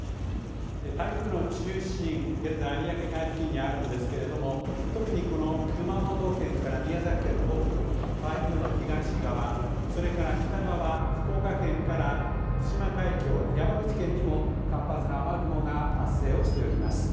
台風の中心、現在有明海付近にあるんですですけれども特にこの熊本県から宮崎県の北部、台風の東側それから北側、福岡県から対馬海峡、山口県にも活発な雨雲が発生をしております。